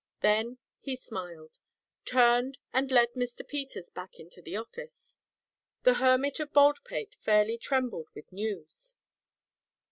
Then he smiled, turned and led Mr. Peters back into the office. The Hermit of Baldpate fairly trembled with news.